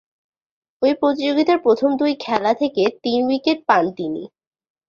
ঐ প্রতিযোগিতার প্রথম দুই খেলা থেকে তিন উইকেট পান তিনি।